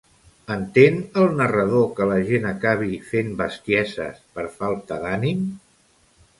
Entén el narrador que la gent acabi fent bestieses per falta d'ànim?